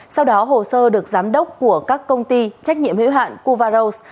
sau đó hồ sơ được giám đốc của các công ty trách nhiệm hiểu hạn cuva rose